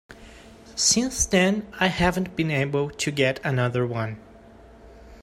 Since then I haven't been able to get another one.